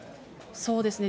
そうですね。